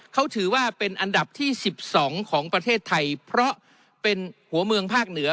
เขาถือว่าเป็นอันดับที่๑๒ของประเทศไทยเพราะเป็นหัวเมืองภาคเหนือ